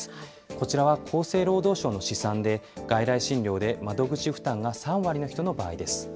こちらは厚生労働省の試算で、外来診療で窓口負担が３割の人の場合です。